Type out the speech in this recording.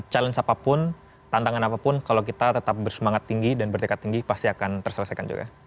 challenge apapun tantangan apapun kalau kita tetap bersemangat tinggi dan bertekad tinggi pasti akan terselesaikan juga